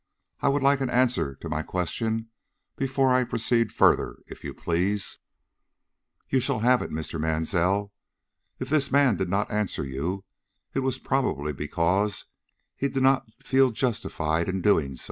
I would like an answer to my question before I proceed further, if you please." "You shall have it, Mr. Mansell. If this man did not answer you, it was probably because he did not feel justified in so doing.